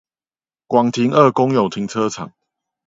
廣停二公有停車場